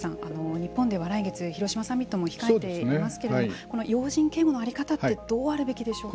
日本では来月広島サミットも控えていますけれどもこの要人警護の在り方ってどうあるべきでしょうか。